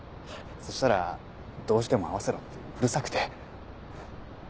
そしたらどうしても会わせろってうるさくて。